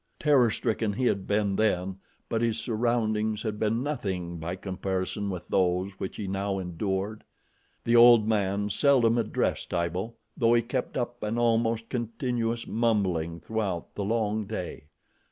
Terror stricken he had been then, but his surroundings had been nothing by comparison with those which he now endured. The old man seldom addressed Tibo, though he kept up an almost continuous mumbling throughout the long day.